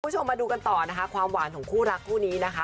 คุณผู้ชมมาดูกันต่อนะคะความหวานของคู่รักคู่นี้นะคะ